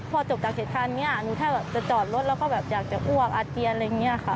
พอจบจากเหตุการณ์นี้หนูถ้าแบบจะจอดรถแล้วก็แบบอยากจะอ้วกอาเจียนอะไรอย่างนี้ค่ะ